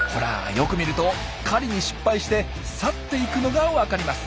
よく見ると狩りに失敗して去っていくのがわかります。